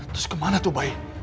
terus kemana tuh bayi